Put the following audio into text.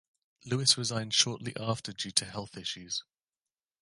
Lewis resigned shortly after due to health issues.